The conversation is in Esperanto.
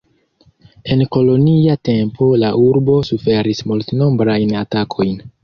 En kolonia tempo la urbo suferis multnombrajn atakojn.